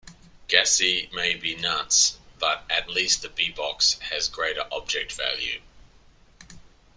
Gassee may be nuts, but at least the BeBox has great object value.